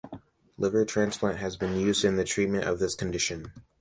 Liver transplant has been used in the treatment of this condition.